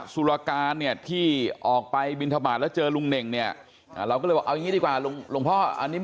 แต่ถ้าโดยความเป็นจริงแล้วโดยมารยาทแล้วท่านอยู่กับท่าน